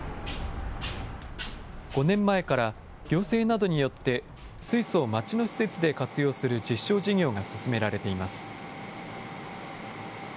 ５年前から、行政などによって水素を街の施設で活用する実証事業が進められています。